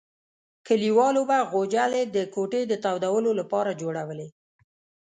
کلیوالو به غوجلې د کوټې د تودولو لپاره جوړولې.